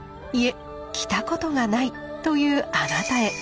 いえ着たことがないというあなたへ。